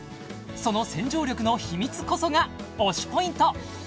その洗浄力の秘密こそが推しＰｏｉｎｔ！